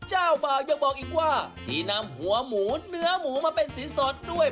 เจ้าบ่าวยังบอกอีกว่าที่นำหัวหมูเนื้อหมูมาเป็นสินสอดด้วย